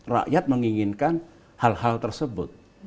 rakyat menginginkan hal hal tersebut